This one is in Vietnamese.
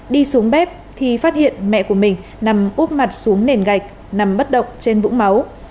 đi xuống bếp thì phát hiện mẹ của mình nằm úp mặt xuống nền gạch nằm bất động trên vũng máu